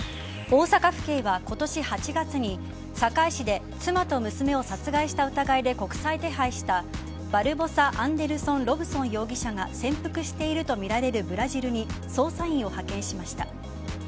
大阪府警は今年８月に堺市で妻と娘を殺害した疑いで国際手配したバルボサ・アンデルソン・ロブソン容疑者が潜伏しているとみられるブラジルに捜査員を派遣しました。